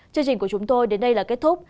chương trình của chúng tôi đến đây là kết thúc